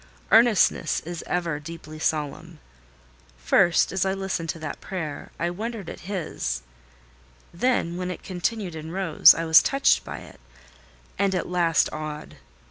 Earnestness is ever deeply solemn: first, as I listened to that prayer, I wondered at his; then, when it continued and rose, I was touched by it, and at last awed.